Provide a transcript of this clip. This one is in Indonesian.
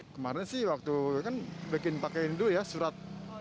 kemarin sih waktu kan bikin pakein dulu ya surat